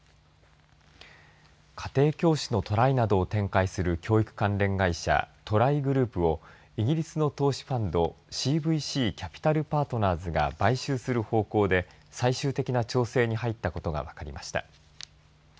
家庭教師のトライなどを展開する教育関連会社トライグループをイギリスの投資ファンドＣＶＣキャピタル・パートナーズが買収する方向で最終的な調整に入ったことが分かりました。